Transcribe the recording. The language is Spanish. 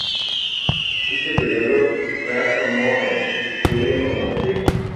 Por este período Ra tomó a Egeria como pareja.